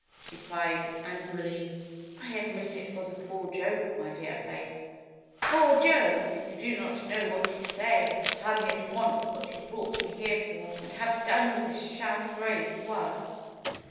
she cried angrily. admit it was a poor joke, my dear Faith." ^^Poor joke ! You do not know what you say I Tell me at once what you brought me here for, and have done with this sham parade of words!"